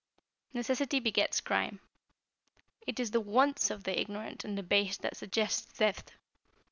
Necessity begets crime. It is the wants of the ignorant and debased that suggests theft.